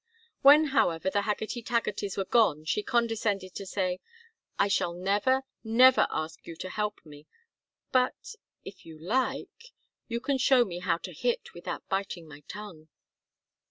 When, however, the Haggerty Taggertys were gone she condescended to say, "I shall never, never ask you to help me, but if you like you can show me how to hit without biting my tongue."